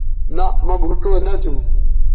نہء مہ بھوڇؤ نہ تھو